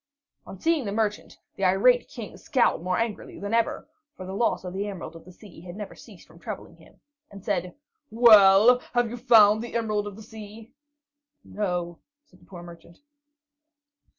On seeing the merchant, the irate King scowled more angrily than ever, for the loss of the Emerald of the Sea had never ceased from troubling him, and said: "Well, have you found the Emerald of the Sea?" "No," said the poor merchant.